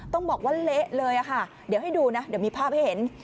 ต้องบอกว่าเละเลยค่ะให้ดูนะเดี๋ยวมีภาพเห็น